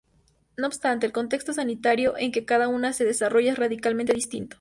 No obstante, el contexto sanitario en que cada una se desarrolla es radicalmente distinto.